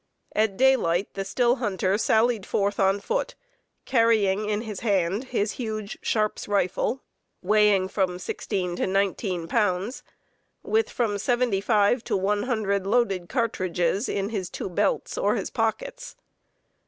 At daylight the still hunter sallied forth on foot, carrying in his hand his huge Sharps rifle, weighing from 16 to 19 pounds, with from seventy five to one hundred loaded cartridges in his two belts or his pockets.